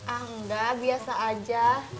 ah enggak biasa aja